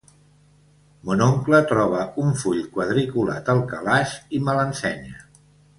Mon oncle troba un full quadriculat al calaix i me l'ensenya.